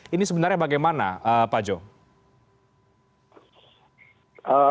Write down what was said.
ini sebenarnya bagaimana pak joe